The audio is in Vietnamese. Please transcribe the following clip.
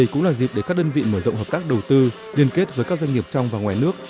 cũng là dịp để các đơn vị mở rộng hợp tác đầu tư liên kết với các doanh nghiệp trong và ngoài nước